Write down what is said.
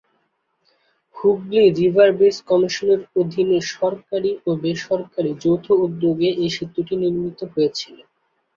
Hooghly river bridge কমিশনের অধীনে সরকারি ও বেসরকারি যৌথ উদ্যোগে এই সেতুটি নির্মিত হয়েছিল।